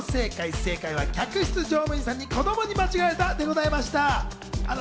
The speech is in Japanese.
正解は、客室乗務員さんに子供に間違われたでした。